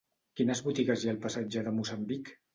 Quines botigues hi ha al passatge de Moçambic?